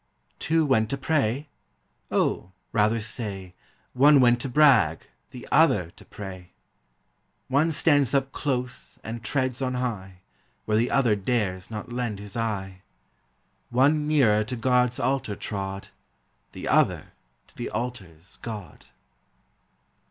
Two went to pray? O, rather say, One went to brag, the other to pray; One stands up close and treads on high, Where the other dares not lend his eye; One nearer to God's altar trod, The other to the altar's God.